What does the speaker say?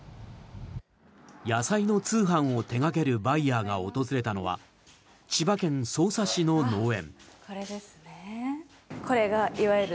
野菜の通販を手掛けるバイヤーが訪れたのは千葉県匝瑳市の農園。